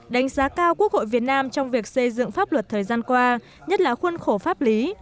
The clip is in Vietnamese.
đánh giá cao quốc hội việt nam trong việc xây dựng pháp luật thời gian qua nhất là khuôn khổ pháp lý